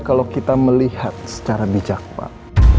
kalau kita melihat secara bijak pak